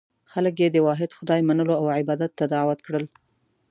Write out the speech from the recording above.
خلک یې د واحد خدای منلو او عبادت ته دعوت کړل.